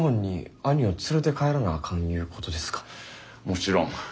もちろん。